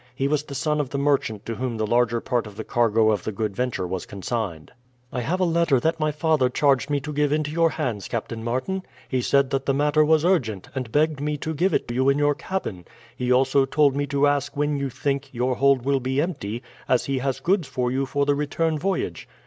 He was the son of the merchant to whom the larger part of the cargo of the Good Venture was consigned. "I have a letter that my father charged me to give into your hands, Captain Martin. He said that the matter was urgent, and begged me to give it you in your cabin. He also told me to ask when you think your hold will be empty, as he has goods for you for the return voyage."